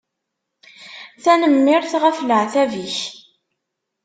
Tanemmirt ɣef leεtab-ik.